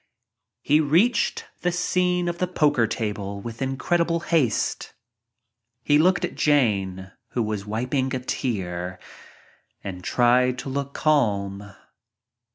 He reached the scene at the poker table with in credible haste. He looked at Jane who was wiping a tear and tried to look calm.